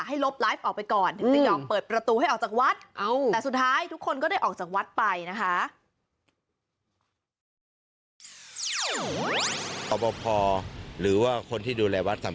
ให้ลบไลฟ์ออกไปก่อนถึงจะยอมเปิดประตูให้ออกจากวัด